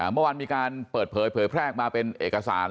ว่านี้มีการเปิดเผยเผยแพร่กมาเป็นเอกสาร